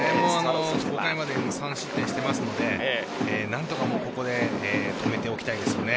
５回までに３失点していますので何とかここで止めておきたいですよね。